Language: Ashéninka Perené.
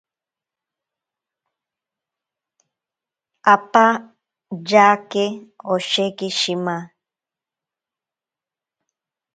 Apa yake osheki shima.